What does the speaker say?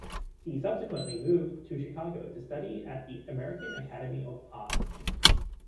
He subsequently moved to Chicago to study at the American Academy of Art.